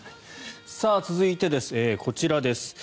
続いて、こちらです。